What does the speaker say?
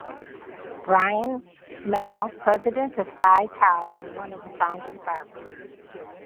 Brian Mell President of Phi Tau and one of the founding fathers.